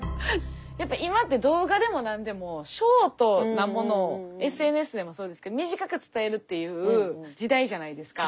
やっぱ今って動画でも何でもショートなものをＳＮＳでもそうですけど短く伝えるっていう時代じゃないですか。